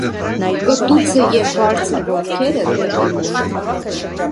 Կտուցը և բարձր ոտքերը դեղին են։